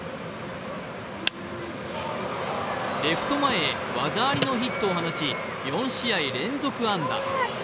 レフト前へ技ありのヒットを放ち、４試合連続安打。